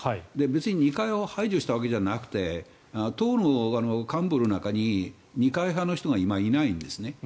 別に二階派を排除したわけじゃなくて党の幹部の中に二階派の人が今、いないんですね。